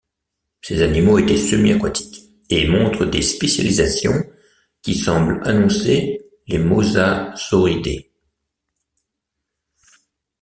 Ces animaux étaient semi-aquatiques, et montrent des spécialisations qui semblent annoncer les Mosasauridae.